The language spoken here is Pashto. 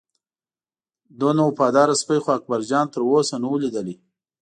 دومره وفاداره سپی خو اکبرجان تر اوسه نه و لیدلی.